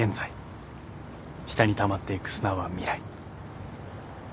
下にたまっていく砂は未来。